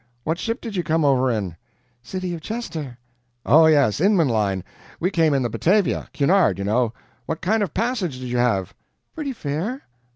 What ship did you come over in?" "CITY OF CHESTER." "Oh, yes Inman line. We came in the BATAVIA Cunard you know. What kind of a passage did you have?" "Pretty fair."